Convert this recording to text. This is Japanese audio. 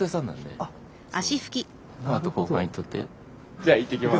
じゃあいってきます。